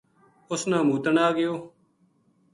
اُس نا موتن آ گیو